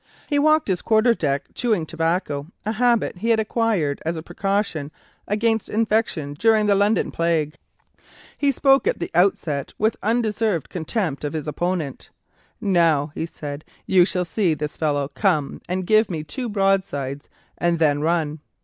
He walked his quarter deck chewing tobacco, a habit he had acquired as a precaution against infection during the London plague. He spoke at the outset with undeserved contempt of his opponent. "Now," he said, "you shall see this fellow come and give me two broadsides and then run."